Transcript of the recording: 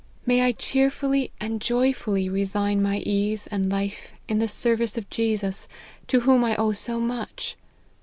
May I cheerfully and joyfully resign my ease and life in the service of Jesus, to whom I owe so much